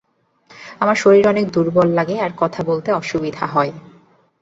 আমার শরীর অনেক দূর্বল লাগে আর কথা বলতে অসুবিধা হয়।